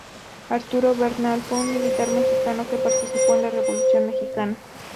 Arturo Bernal fue un militar mexicano que participó en la Revolución mexicana.